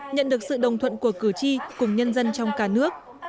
nhận được sự đồng thuận của cử tri cùng nhân dân trong cả nước